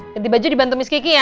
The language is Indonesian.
ganti baju dibantu miss kiki ya